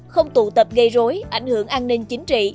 không tụ tập gây rối ảnh hưởng an ninh chính trị